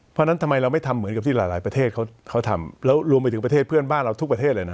เพราะฉะนั้นทำไมเราไม่ทำเหมือนกับที่หลายประเทศเขาทำแล้วรวมไปถึงประเทศเพื่อนบ้านเราทุกประเทศเลยนะ